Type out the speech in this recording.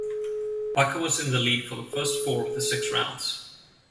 Babka was in the lead for the first four of the six rounds.